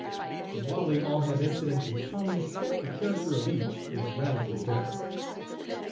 And while they all have incidents in common, the character of each is radically different.